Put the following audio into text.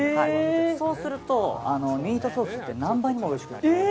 そうすると、ミートソースって何倍もおいしくなる。